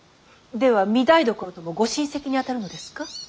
では御台所ともご親戚にあたるのですか。